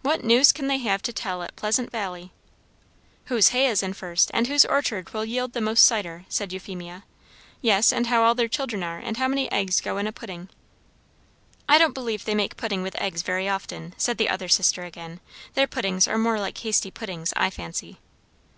"What news can they have to tell at Pleasant Valley?" "Whose hay is in first, and whose orchard will yield the most cider," said Euphemia. "Yes; and how all their children are, and how many eggs go in a pudding." "I don't believe they make puddings with eggs very often," said the other sister again. "Their puddings are more like hasty puddings, I fancy."